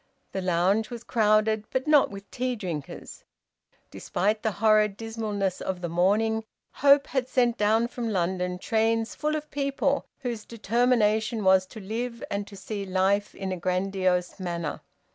The lounge was crowded, but not with tea drinkers. Despite the horrid dismalness of the morning, hope had sent down from London trains full of people whose determination was to live and to see life in a grandiose manner.